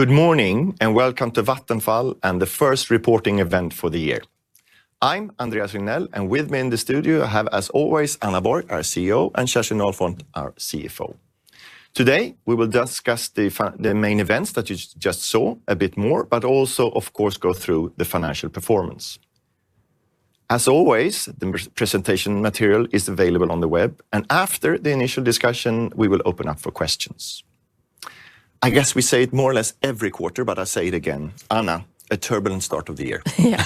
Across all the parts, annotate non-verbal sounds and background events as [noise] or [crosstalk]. Good morning and welcome to Vattenfall and the first reporting event for the year. I'm Andreas Regnell, and with me in the studio I have, as always, Anna Borg, our CEO, and Kerstin Ahlfont, our CFO. Today we will discuss the main events that you just saw a bit more, but also, of course, go through the financial performance. As always, the presentation material is available on the web, and after the initial discussion, we will open up for questions. I guess we say it more or less every quarter, but I'll say it again: Anna, a turbulent start of the year. Yeah,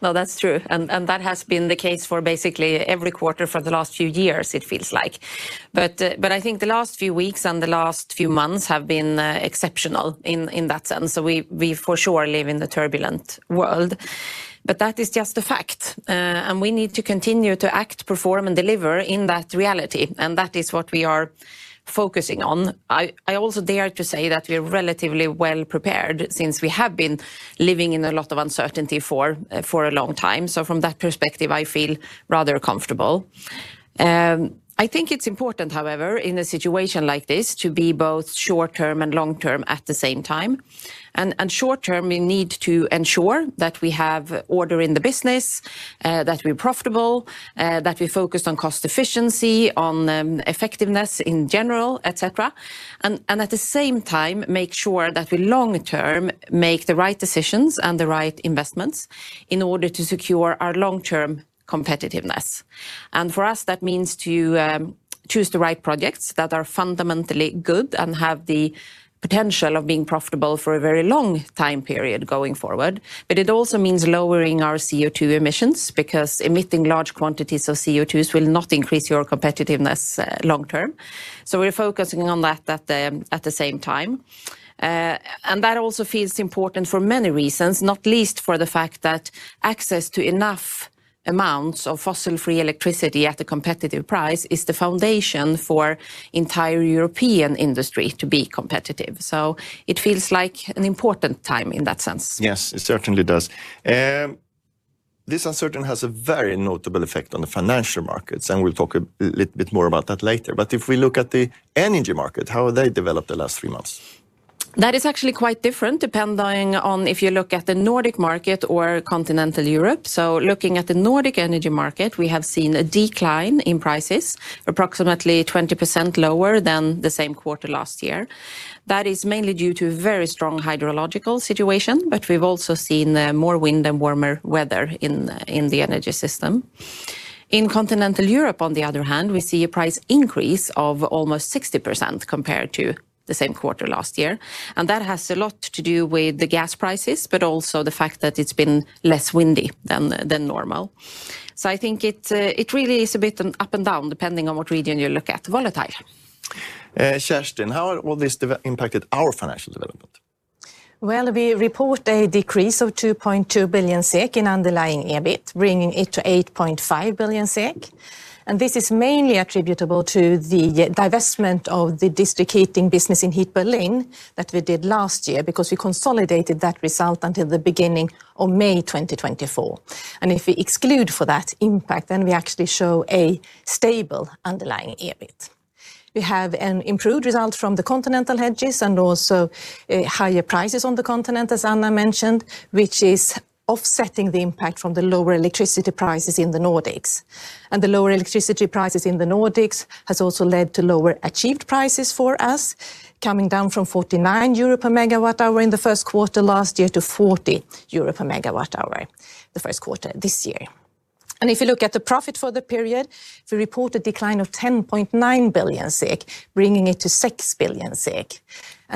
that is true, and that has been the case for basically every quarter for the last few years, it feels like. I think the last few weeks and the last few months have been exceptional in that sense. We for sure live in a turbulent world, but that is just a fact, and we need to continue to act, perform, and deliver in that reality, and that is what we are focusing on. I also dare to say that we are relatively well prepared since we have been living in a lot of uncertainty for a long time. From that perspective, I feel rather comfortable. I think it is important, however, in a situation like this, to be both short-term and long-term at the same time. Short-term, we need to ensure that we have order in the business, that we're profitable, that we focus on cost efficiency, on effectiveness in general, etc., and at the same time make sure that we long-term make the right decisions and the right investments in order to secure our long-term competitiveness. For us, that means to choose the right projects that are fundamentally good and have the potential of being profitable for a very long time period going forward. It also means lowering our CO2 emissions because emitting large quantities of CO2 will not increase your competitiveness long-term. We're focusing on that at the same time. That also feels important for many reasons, not least for the fact that access to enough amounts of fossil-free electricity at a competitive price is the foundation for the entire European industry to be competitive. It feels like an important time in that sense. Yes, it certainly does. This uncertainty has a very notable effect on the financial markets, and we'll talk a little bit more about that later. If we look at the energy market, how have they developed the last three months? That is actually quite different depending on if you look at the Nordic market or continental Europe. Looking at the Nordic energy market, we have seen a decline in prices, approximately 20% lower than the same quarter last year. That is mainly due to a very strong hydrological situation, but we've also seen more wind and warmer weather in the energy system. In continental Europe, on the other hand, we see a price increase of almost 60% compared to the same quarter last year. That has a lot to do with the gas prices, but also the fact that it's been less windy than normal. I think it really is a bit up and down depending on what region you look at, volatile. Kerstin, how has all this impacted our financial development? We report a decrease of 2.2 billion SEK in underlying EBIT, bringing it to 8.5 billion SEK. This is mainly attributable to the divestment of the district heating business in Heat Berlin that we did last year because we consolidated that result until the beginning of May 2024. If we exclude for that impact, then we actually show a stable underlying EBIT. We have an improved result from the continental hedges and also higher prices on the continent, as Anna mentioned, which is offsetting the impact from the lower electricity prices in the Nordics. The lower electricity prices in the Nordics have also led to lower achieved prices for us, coming down from 49 euro per MWh in the first quarter last year to 40 euro per MWh the first quarter this year. If you look at the profit for the period, we report a decline of 10.9 billion, bringing it to 6 billion.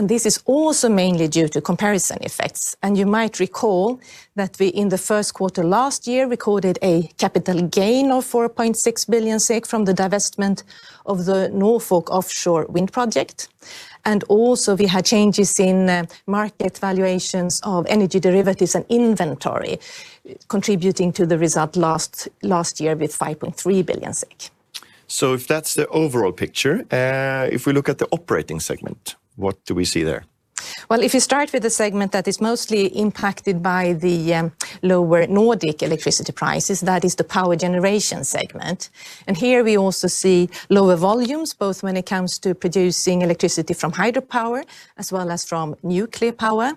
This is also mainly due to comparison effects. You might recall that we in the first quarter last year recorded a capital gain of 4.6 billion from the divestment of the Norfolk Offshore Wind project. We also had changes in market valuations of energy derivatives and inventory, contributing to the result last year with 5.3 billion SEK. If that's the overall picture, if we look at the operating segment, what do we see there? If you start with the segment that is mostly impacted by the lower Nordic electricity prices, that is the power generation segment. Here we also see lower volumes, both when it comes to producing electricity from hydropower as well as from nuclear power.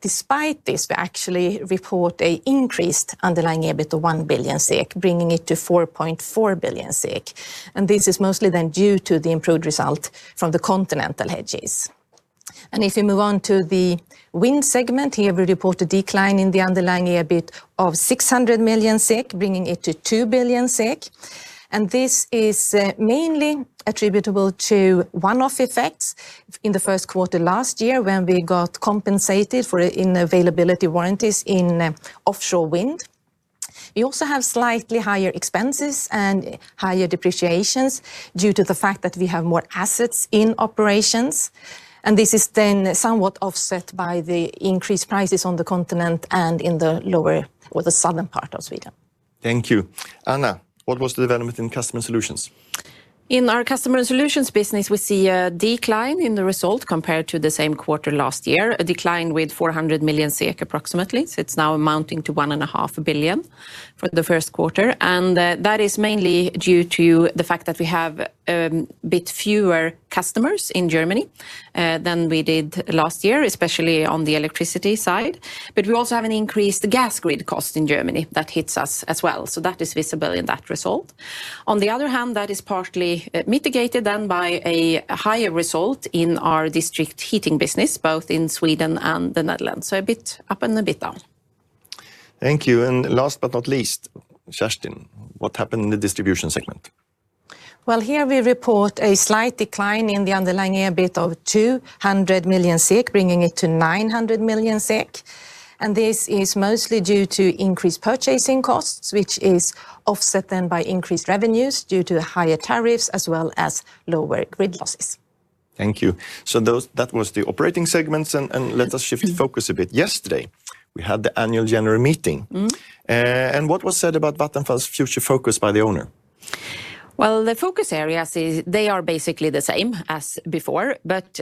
Despite this, we actually report an increased underlying EBIT of 1 billion SEK, bringing it to 4.4 billion SEK. This is mostly then due to the improved result from the continental hedges. If you move on to the wind segment here, we report a decline in the underlying EBIT of 600 million SEK, bringing it to 2 billion SEK. This is mainly attributable to one-off effects in the first quarter last year when we got compensated for inavailability warranties in offshore wind. We also have slightly higher expenses and higher depreciations due to the fact that we have more assets in operations. This is then somewhat offset by the increased prices on the continent and in the lower or the southern part of Sweden. Thank you. Anna, what was the development in customer solutions? In our customer solutions business, we see a decline in the result compared to the same quarter last year, a decline with 400 million SEK approximately. It is now amounting to 1.5 billion for the first quarter. That is mainly due to the fact that we have a bit fewer customers in Germany than we did last year, especially on the electricity side. We also have an increased gas grid cost in Germany that hits us as well. That is visible in that result. On the other hand, that is partly mitigated then by a higher result in our district heating business, both in Sweden and the Netherlands. A bit up and a bit down. Thank you. Last but not least, Kerstin, what happened in the distribution segment? Here we report a slight decline in the underlying EBIT of 200 million, bringing it to 900 million. This is mostly due to increased purchasing costs, which is offset then by increased revenues due to higher tariffs as well as lower grid losses. Thank you. That was the operating segments. Let us shift the focus a bit. Yesterday, we had the annual general meeting. What was said about Vattenfall's future focus by the owner? The focus areas, they are basically the same as before, but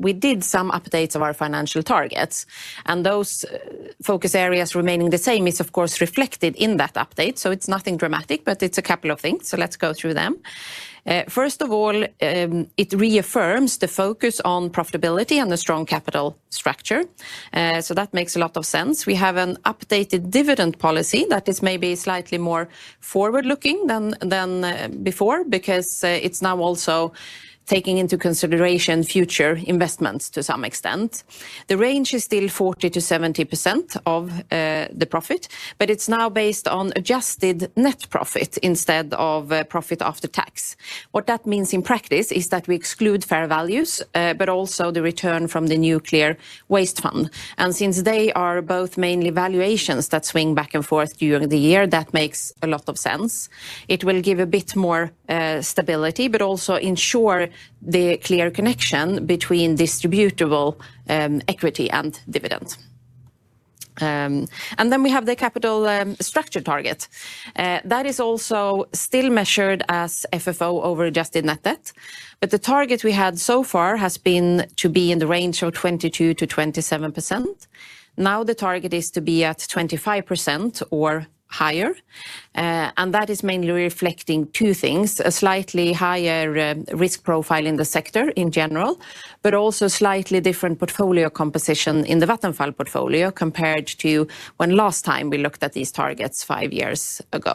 we did some updates of our financial targets. Those focus areas remaining the same is, of course, reflected in that update. It is nothing dramatic, but it is a couple of things. Let us go through them. First of all, it reaffirms the focus on profitability and a strong capital structure. That makes a lot of sense. We have an updated dividend policy that is maybe slightly more forward-looking than before because it is now also taking into consideration future investments to some extent. The range is still 40%-70% of the profit, but it is now based on adjusted net profit instead of profit after tax. What that means in practice is that we exclude fair values, but also the return from the nuclear waste fund. Since they are both mainly valuations that swing back and forth during the year, that makes a lot of sense. It will give a bit more stability, but also ensure the clear connection between distributable equity and dividends. We have the capital structure target. That is also still measured as FFO over adjusted net debt. The target we had so far has been to be in the range of 22%-27%. Now the target is to be at 25% or higher. That is mainly reflecting two things: a slightly higher risk profile in the sector in general, but also a slightly different portfolio composition in the Vattenfall portfolio compared to when last time we looked at these targets five years ago.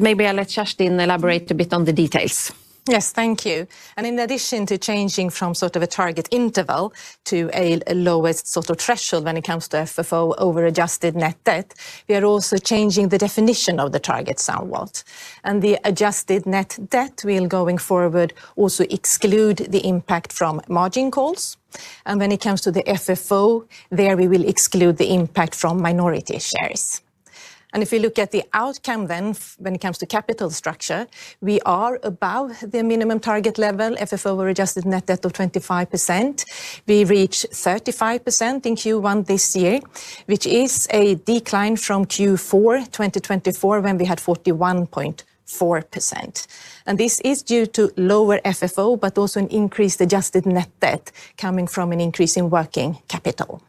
Maybe I'll let Kerstin elaborate a bit on the details. Yes, thank you. In addition to changing from sort of a target interval to a lowest sort of threshold when it comes to FFO over adjusted net debt, we are also changing the definition of the target somewhat. The adjusted net debt will going forward also exclude the impact from margin calls. When it comes to the FFO, there we will exclude the impact from minority shares. If you look at the outcome then, when it comes to capital structure, we are above the minimum target level, FFO over adjusted net debt of 25%. We reached 35% in Q1 this year, which is a decline from Q4 2024 when we had 41.4%. This is due to lower FFO, but also an increased adjusted net debt coming from an increase in working capital.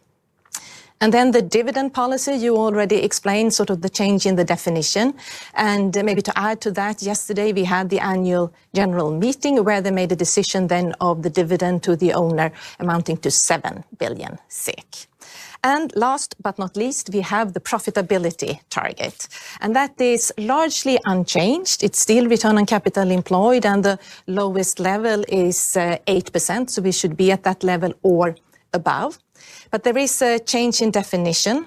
The dividend policy, you already explained sort of the change in the definition. Maybe to add to that, yesterday we had the annual general meeting where they made a decision then of the dividend to the owner amounting to 7 billion SEK. Last but not least, we have the profitability target. That is largely unchanged. It is still return on capital employed, and the lowest level is 8%. We should be at that level or above. There is a change in definition.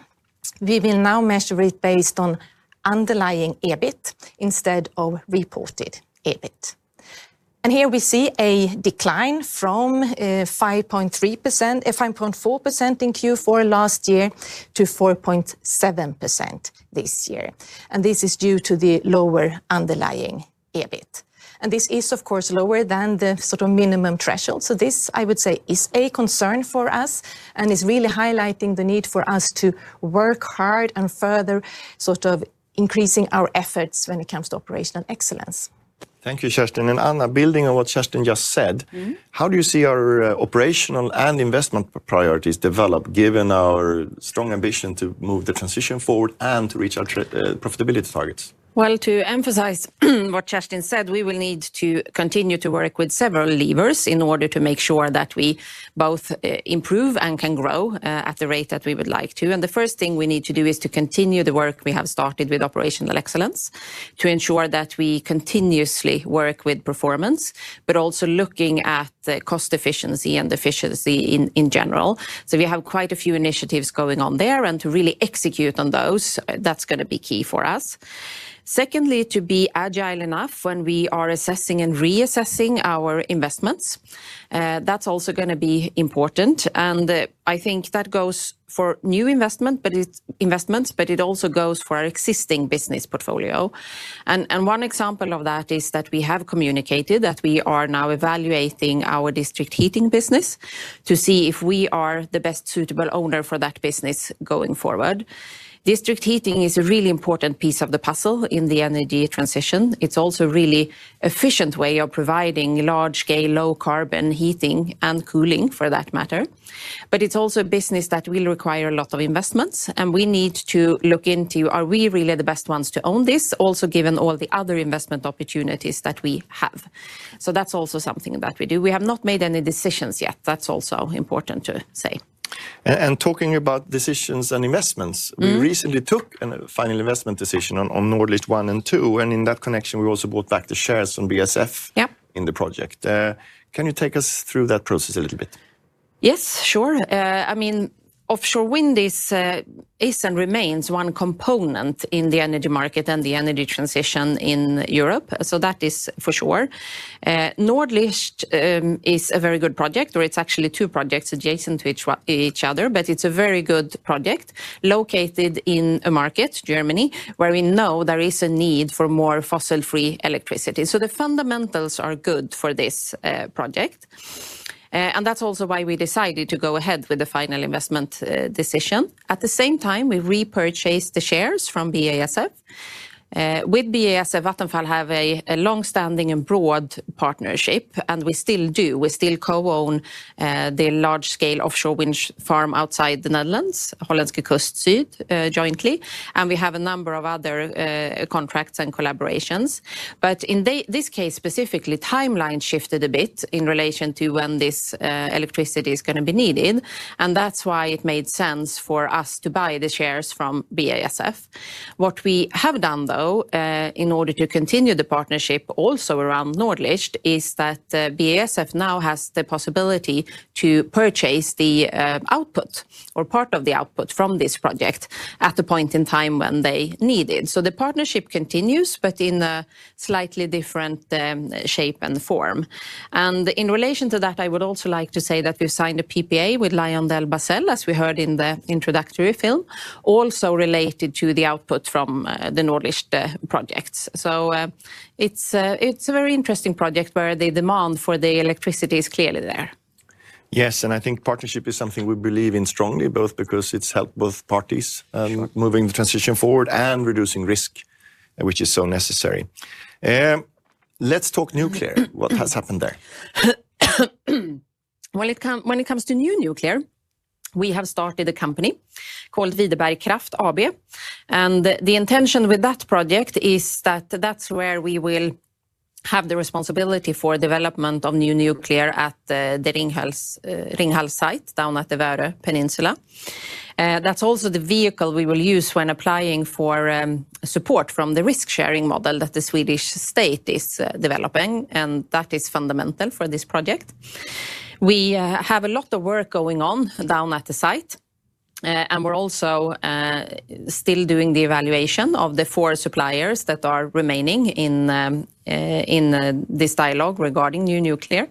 We will now measure it based on underlying EBIT instead of reported EBIT. Here we see a decline from 5.3%, 5.4% in Q4 last year to 4.7% this year. This is due to the lower underlying EBIT. This is, of course, lower than the sort of minimum threshold. This, I would say, is a concern for us and is really highlighting the need for us to work hard and further sort of increasing our efforts when it comes to operational excellence. Thank you, Kerstin. Anna, building on what Kerstin just said, how do you see our operational and investment priorities developed given our strong ambition to move the transition forward and to reach our profitability targets? To emphasize what Kerstin said, we will need to continue to work with several levers in order to make sure that we both improve and can grow at the rate that we would like to. The first thing we need to do is to continue the work we have started with operational excellence to ensure that we continuously work with performance, but also looking at cost efficiency and efficiency in general. We have quite a few initiatives going on there. To really execute on those, that's going to be key for us. Secondly, to be agile enough when we are assessing and reassessing our investments. That's also going to be important. I think that goes for new investments, but it also goes for our existing business portfolio. One example of that is that we have communicated that we are now evaluating our district heating business to see if we are the best suitable owner for that business going forward. District heating is a really important piece of the puzzle in the energy transition. It is also a really efficient way of providing large-scale low-carbon heating and cooling for that matter. It is also a business that will require a lot of investments. We need to look into are we really the best ones to own this, also given all the other investment opportunities that we have. That is also something that we do. We have not made any decisions yet. That is also important to say. Talking about decisions and investments, we recently took a final investment decision on Nordlicht 1 and 2. In that connection, we also bought back the shares from BASF in the project. Can you take us through that process a little bit? Yes, sure. I mean, offshore wind is and remains one component in the energy market and the energy transition in Europe. That is for sure. Nordlicht is a very good project, or it's actually two projects adjacent to each other, but it's a very good project located in a market, Germany, where we know there is a need for more fossil-free electricity. The fundamentals are good for this project. That is also why we decided to go ahead with the final investment decision. At the same time, we repurchased the shares from BASF. With BASF, Vattenfall have a longstanding and broad partnership. We still do. We still co-own the large-scale offshore wind farm outside the Netherlands, Hollandse Kust Zuid, jointly. We have a number of other contracts and collaborations. In this case specifically, timeline shifted a bit in relation to when this electricity is going to be needed. That is why it made sense for us to buy the shares from BASF. What we have done, though, in order to continue the partnership also around Nordlicht, is that BASF now has the possibility to purchase the output or part of the output from this project at a point in time when they need it. The partnership continues, but in a slightly different shape and form. In relation to that, I would also like to say that we have signed a PPA with LyondellBasell, as we heard in the introductory film, also related to the output from the Nordlicht projects. It is a very interesting project where the demand for the electricity is clearly there. Yes. I think partnership is something we believe in strongly, both because it has helped both parties moving the transition forward and reducing risk, which is so necessary. Let's talk nuclear. What has happened there? When it comes to new nuclear, we have started a company called Videberg Kraft AB. The intention with that project is that that's where we will have the responsibility for development of new nuclear at the Ringhals site down at the Värö Peninsula. That is also the vehicle we will use when applying for support from the risk-sharing model that the Swedish state is developing. That is fundamental for this project. We have a lot of work going on down at the site. We are also still doing the evaluation of the four suppliers that are remaining in this dialogue regarding new nuclear.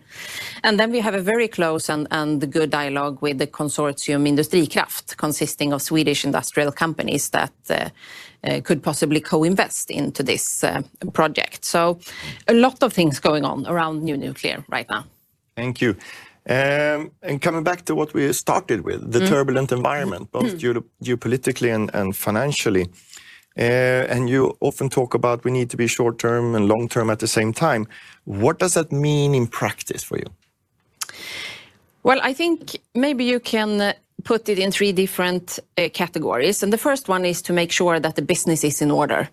We have a very close and good dialogue with the consortium Industrikraft, consisting of Swedish industrial companies that could possibly co-invest into this project. A lot of things going on around new nuclear right now. Thank you. Coming back to what we started with, the turbulent environment, both geopolitically and financially. You often talk about we need to be short-term and long-term at the same time. What does that mean in practice for you? I think maybe you can put it in three different categories. The first one is to make sure that the business is in order.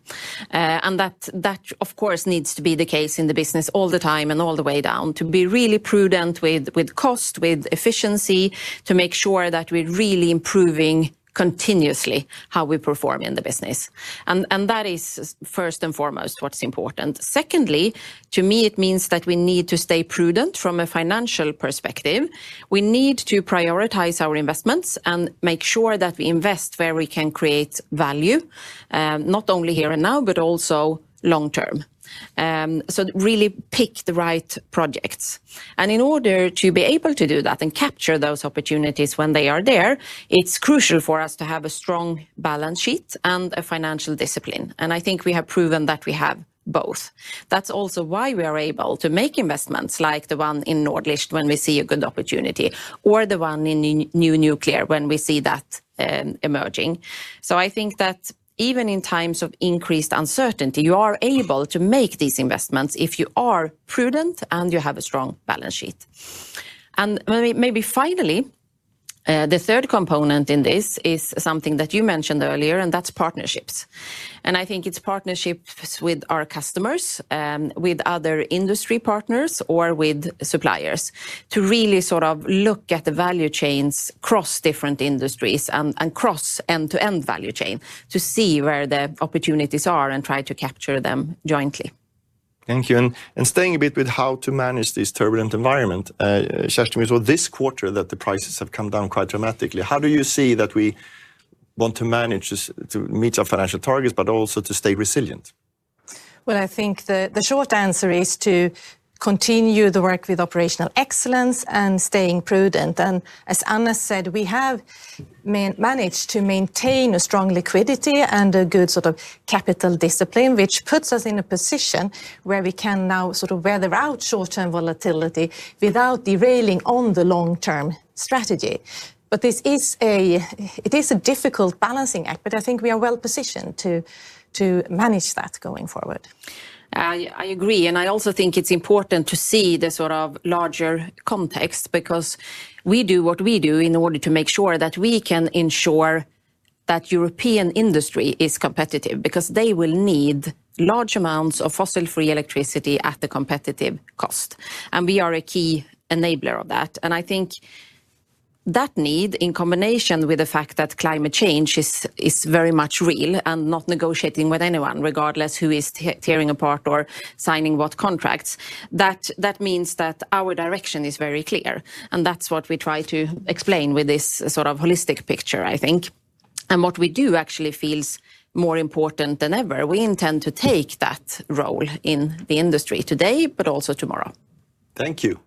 That, of course, needs to be the case in the business all the time and all the way down, to be really prudent with cost, with efficiency, to make sure that we're really improving continuously how we perform in the business. That is first and foremost what's important. Secondly, to me, it means that we need to stay prudent from a financial perspective. We need to prioritize our investments and make sure that we invest where we can create value, not only here and now, but also long-term. Really pick the right projects. In order to be able to do that and capture those opportunities when they are there, it's crucial for us to have a strong balance sheet and a financial discipline. I think we have proven that we have both. That's also why we are able to make investments like the one in Nordlicht when we see a good opportunity, or the one in new nuclear when we see that emerging. I think that even in times of increased uncertainty, you are able to make these investments if you are prudent and you have a strong balance sheet. Maybe finally, the third component in this is something that you mentioned earlier, and that's partnerships. I think it's partnerships with our customers, with other industry partners, or with suppliers to really sort of look at the value chains across different industries and across end-to-end value chain to see where the opportunities are and try to capture them jointly. Thank you. Staying a bit with how to manage this turbulent environment [audio distortion] we saw this quarter that the prices have come down quite dramatically. How do you see that we want to manage to meet our financial targets, but also to stay resilient? I think the short answer is to continue the work with operational excellence and staying prudent. As Anna said, we have managed to maintain a strong liquidity and a good sort of capital discipline, which puts us in a position where we can now sort of weather out short-term volatility without derailing on the long-term strategy. This is a difficult balancing act, but I think we are well positioned to manage that going forward. I agree. I also think it's important to see the sort of larger context because we do what we do in order to make sure that we can ensure that European industry is competitive because they will need large amounts of fossil-free electricity at a competitive cost. We are a key enabler of that. I think that need, in combination with the fact that climate change is very much real and not negotiating with anyone, regardless who is tearing apart or signing what contracts, means that our direction is very clear. That is what we try to explain with this sort of holistic picture, I think. What we do actually feels more important than ever. We intend to take that role in the industry today, but also tomorrow. Thank you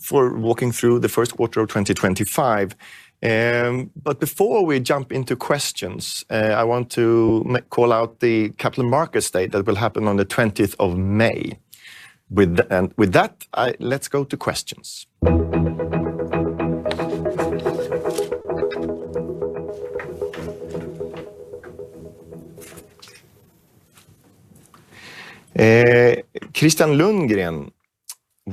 for walking through the first quarter of 2025. Before we jump into questions, I want to call out the capital markets day that will happen on the 20th of May. With that, let's go to questions. Christian Lundgren,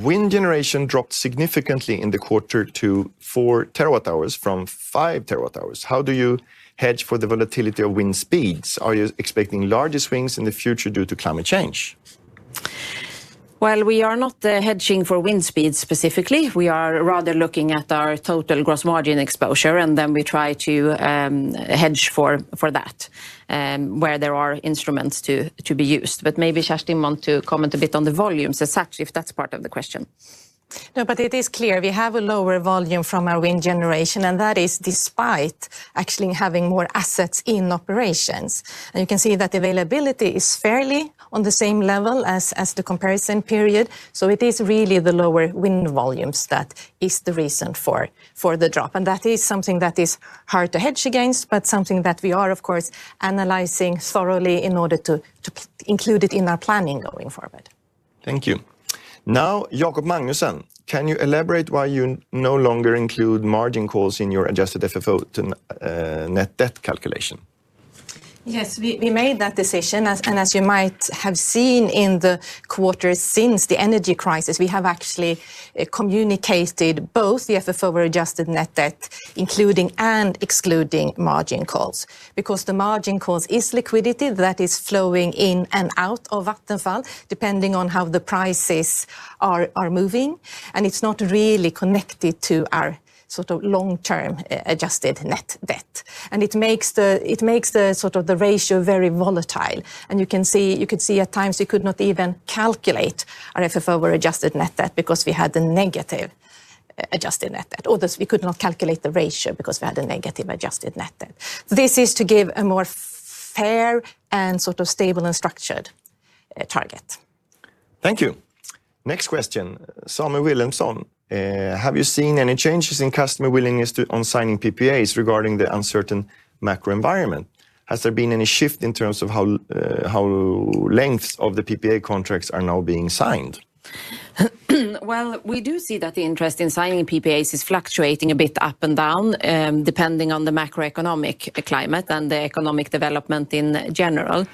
wind generation dropped significantly in the quarter to 4 terawatt hours from 5 terawatt hours. How do you hedge for the volatility of wind speeds? Are you expecting larger swings in the future due to climate change? We are not hedging for wind speeds specifically. We are rather looking at our total gross margin exposure, and then we try to hedge for that where there are instruments to be used. Maybe Kerstin wants to comment a bit on the volumes as such, if that is part of the question. No, it is clear we have a lower volume from our wind generation. That is despite actually having more assets in operations. You can see that availability is fairly on the same level as the comparison period. It is really the lower wind volumes that is the reason for the drop. That is something that is hard to hedge against, but something that we are, of course, analyzing thoroughly in order to include it in our planning going forward. Thank you. Now, Jakob Magnussen, can you elaborate why you no longer include margin calls in your adjusted FFO to net debt calculation? Yes, we made that decision. As you might have seen in the quarter since the energy crisis, we have actually communicated both the FFO over adjusted net debt, including and excluding margin calls, because the margin calls is liquidity that is flowing in and out of Vattenfall, depending on how the prices are moving. It is not really connected to our sort of long-term adjusted net debt. It makes the ratio very volatile. You can see at times we could not even calculate our FFO over adjusted net debt because we had a negative adjusted net debt. Others, we could not calculate the ratio because we had a negative adjusted net debt. This is to give a more fair and sort of stable and structured target. Thank you. Next question, [Salóme Willemsen]. Have you seen any changes in customer willingness on signing PPAs regarding the uncertain macro environment? Has there been any shift in terms of how lengths of the PPA contracts are now being signed? We do see that the interest in signing PPAs is fluctuating a bit up and down, depending on the macroeconomic climate and the economic development in general.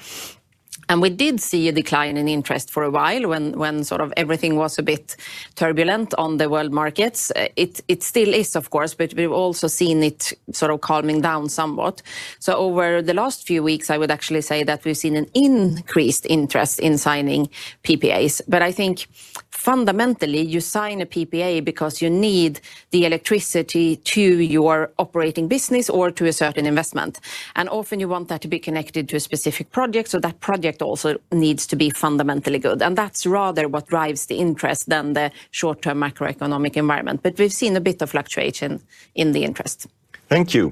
We did see a decline in interest for a while when sort of everything was a bit turbulent on the world markets. It still is, of course, but we've also seen it sort of calming down somewhat. Over the last few weeks, I would actually say that we've seen an increased interest in signing PPAs. I think fundamentally, you sign a PPA because you need the electricity to your operating business or to a certain investment. Often you want that to be connected to a specific project. That project also needs to be fundamentally good. That is rather what drives the interest than the short-term macroeconomic environment. We've seen a bit of fluctuation in the interest. Thank you.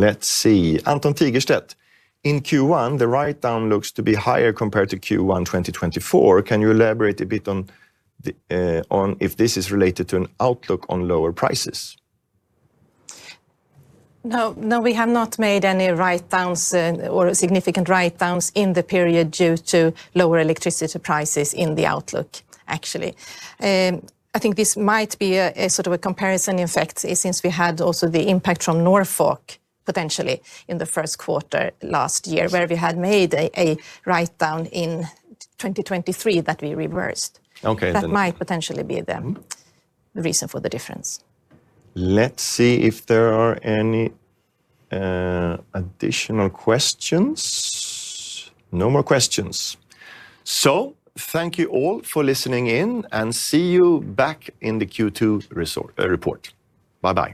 Let's see. Anton Tigerstedt, in Q1, the write-down looks to be higher compared to Q1 2024. Can you elaborate a bit on if this is related to an outlook on lower prices? No, we have not made any write-downs or significant write-downs in the period due to lower electricity prices in the outlook, actually. I think this might be a sort of a comparison, in fact, since we had also the impact from Norfolk potentially in the first quarter last year, where we had made a write-down in 2023 that we reversed. That might potentially be the reason for the difference. Let's see if there are any additional questions. No more questions. Thank you all for listening in and see you back in the Q2 report. Bye-bye.